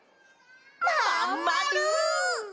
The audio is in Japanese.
まんまる！